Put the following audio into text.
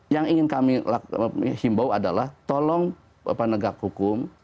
yang ingin kami himbau adalah tolong negara kubu